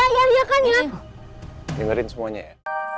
kok ya iya iya iya kan iya dengerin semuanya ya